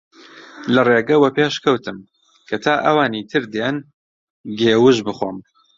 لە ڕێگە وەپێش کەوتم کە تا ئەوانی تر دێن گێوژ بخۆم